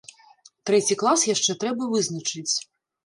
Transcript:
Трэці клас яшчэ трэба вызначыць.